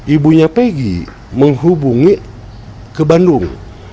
ibunya pegi menghubungi ke bandung